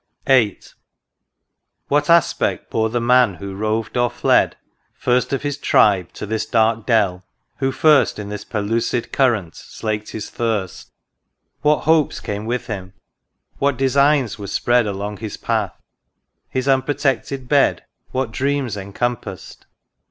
10 THE KIVEK DUDDON. VIII. What aspect bore the Man who roved or fled, First of his tribe, to this dark dell — who first In this pellucid Current slaked his thirst ? What hopes came with him ? what designs were spread Along his path ? His unprotected bed What dreams encompassed